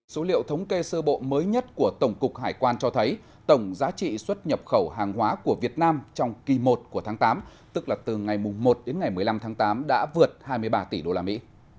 số liệu thống kê sơ bộ mới nhất của tổng cục hải quan cho thấy tổng giá trị xuất nhập khẩu hàng hóa của việt nam trong kỳ một của tháng tám tức là từ ngày một đến ngày một mươi năm tháng tám đã vượt hai mươi ba tỷ đô la mỹ